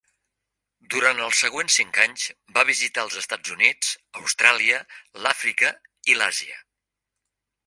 Durant els següents cinc anys va visitar els Estats Units, Austràlia, l'Àfrica i l'Àsia.